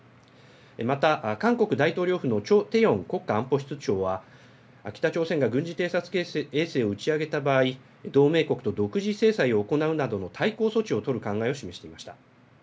また韓国大統領府のチョ・テヨン国家安保室長は北朝鮮が軍事偵察衛星を打ち上げた場合、同盟国と独自制裁を行うなどの対抗措置を取る考えを示していました。